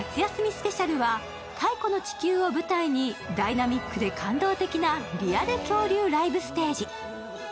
スペシャルは太古の地球を舞台にダイナックで感動的なリアル恐竜ライブステージ。